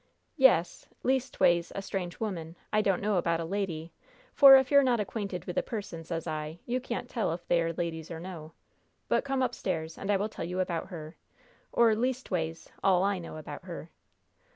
"Yes leastways a strange woman. I don't know about a lady; for if you're not acquainted with a person, sez I, you can't tell if they are ladies or no. But come upstairs and I will tell you about her, or leastways all I know about her.